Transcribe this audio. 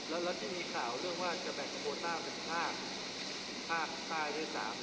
แล้วที่มีข่าวเรื่องว่าจะแบ่งโปรต้าเป็นภาพภาคใต้สาม